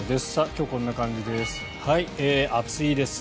今日、こんな感じです。